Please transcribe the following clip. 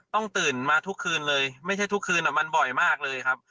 ตื่นมาทุกคืนเลยไม่ใช่ทุกคืนมันบ่อยมากเลยครับ